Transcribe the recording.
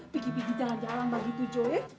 bikin bikin jalan jalan mbak gitu jo ya